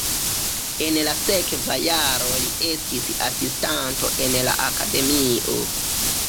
En la sekva jaro li estis asistanto en la akademio.